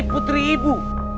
mencari putri ibu